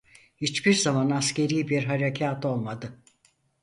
Hiçbir zaman askeri bir harekât olmadı.